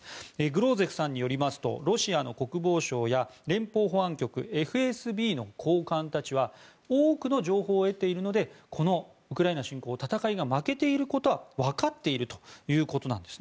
グローゼフさんによりますと国防省や連邦保安局、ＦＳＢの高官たちは多くの情報を得ているのでこのウクライナ侵攻戦いが負けていることはわかっているということなんです